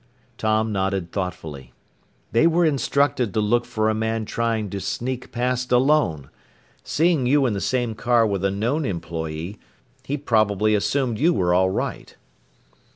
Tom nodded thoughtfully. "They were instructed to look for a man trying to sneak past alone. Seeing you in the same car with a known employee, he probably assumed you were all right."